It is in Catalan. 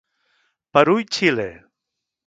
Perú i Xile.